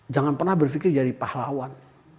jangan pernah berpikir jadi pahlawan